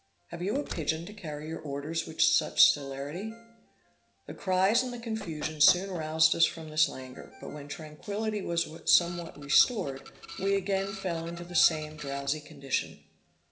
'Have you a pigeon to carry your orders with such celerity?' The cries and the confusion soon roused us from this languor; but when tranquility was somewhat restored, we again fell into the same drowsy condition.